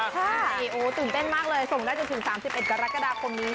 ใช่โอ้ตื่นเต้นมากเลยส่งได้จนถึง๓๑กรกฎาคมนี้